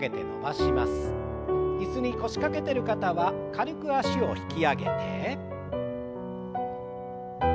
椅子に腰掛けてる方は軽く脚を引き上げて。